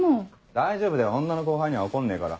大丈夫だよ女の後輩には怒んねえから。